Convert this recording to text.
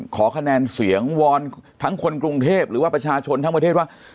ขอคะแนนเสียงวอนทั้งคนกรุงเทพหรือว่าประชาชนทั้งประเทศว่า